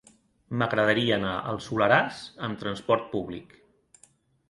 M'agradaria anar al Soleràs amb trasport públic.